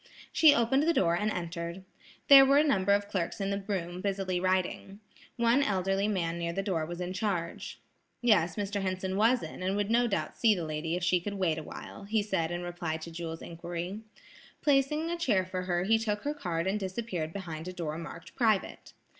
She opened the door and entered. There were a number of clerks in the room busily writing. One elderly man near the door was in charge. Yes, Mr. Henson was in and would no doubt see the lady if she could wait awhile, he said in reply to Jewel's inquiry. Placing a chair for her he took her card and disappeared behind a door marked "Private."